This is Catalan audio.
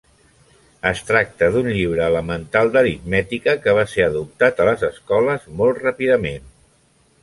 Es tracta d'un llibre elemental d'aritmètica que va ser adoptat a les escoles molt ràpidament.